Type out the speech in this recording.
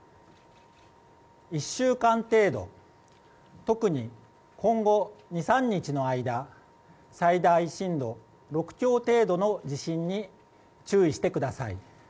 １週間程度特に今後２３日の間最大震度６強程度の地震に注意してください。